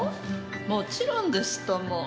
もちろんですとも。